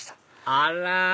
あら！